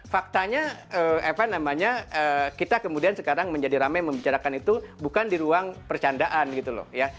faktanya apa namanya kita kemudian sekarang menjadi ramai membicarakan itu bukan di ruang percandaan gitu loh ya